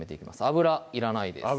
油いらないです